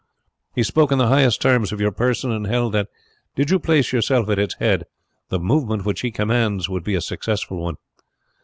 He spoke in the highest terms of your person, and held that, did you place yourself at its head, the movement which he commands would be a successful one.